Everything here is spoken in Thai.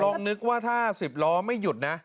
นึกว่าถ้า๑๐ล้อไม่หยุดนะ